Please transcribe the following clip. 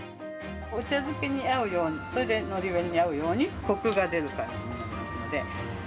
お茶漬けに合うように、それでのり弁に合うように、こくが出る感じになりますので。